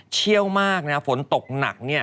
เชี่ยวมากฝนตกหนัก